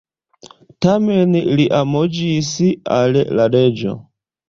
Tamen li omaĝis al la reĝo.